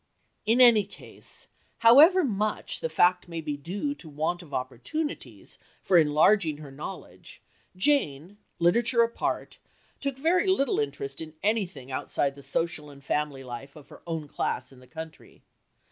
In any case, however much the fact may be due to want of opportunities for enlarging her knowledge, Jane, literature apart, took very little interest in anything outside the social and family life of her own class in the country.